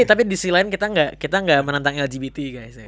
tapi di sealine kita gak menentang lgbt guys ya